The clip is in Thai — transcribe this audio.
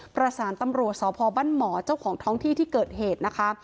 ประสานตำรวจสพบ้านหมอเจ้าของท้องที่ที่เกิดเหตุนะคะ